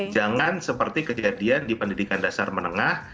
jangan seperti kejadian di pendidikan dasar menengah